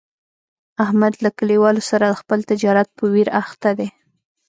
احمد له کلیوالو سره د خپل تجارت په ویر اخته دی.